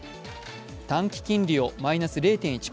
短期金利をマイナス０．１％